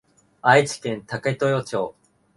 愛知県武豊町